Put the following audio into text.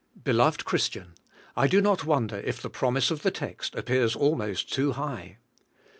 Beloved Christian! I do not wonder if the promise of the text appears almost too high.